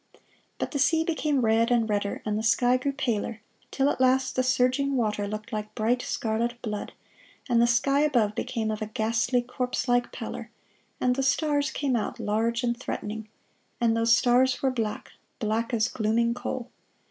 But the sea became red and redder, and the sky grew paler, till at last the surging water looked like bright, scarlet blood, and the sky above became of a ghastly corpse like pallor, and the stars came out large and threatening; and those stars were black black as glooming coal.